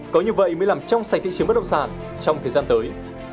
có như vậy mới làm trong sạch thị trường bất động sản trong thời gian tới